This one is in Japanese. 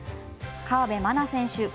河辺愛菜選手。